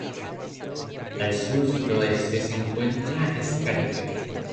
Al sur-suroeste se encuentra Scaliger.